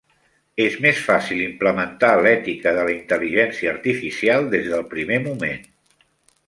És més fàcil implementar l'ètica de la Intel·ligència Artificial des del primer moment.